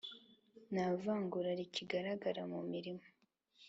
nta vangura rikigaragara mu mirimo